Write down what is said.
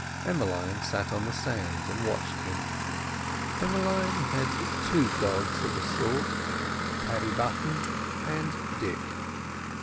Emmeline sat on the sand and watched him. Emmeline had two gods of a sort: Paddy Button and Dick.